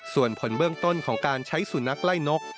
ส่วนผลเบื้องต้นของการใช้สุนัขไล่นก